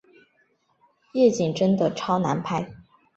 夜景真的超难拍